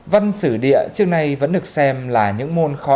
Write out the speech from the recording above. văn xử địa trước nay vẫn được xem là những môn khói